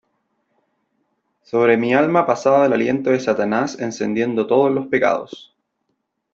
sobre mi alma ha pasado el aliento de Satanás encendiendo todos los pecados :